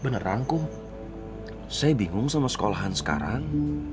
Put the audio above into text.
beneran kum saya bingung sama sekolahan sekarang